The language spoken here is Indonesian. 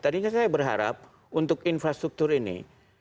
tadinya saya berharap untuk infrastruktur ini